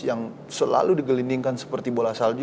yang selalu digelindingkan seperti bola salju